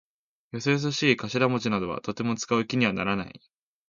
よそよそしい頭文字などはとても使う気にならない。